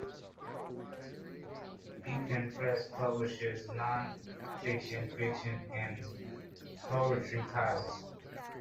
Beacon Press publishes non-fiction, fiction, and poetry titles.